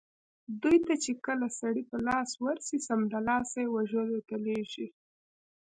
دوی ته چې کله سړي په لاس ورسي سمدلاسه یې وژلو ته لېږي.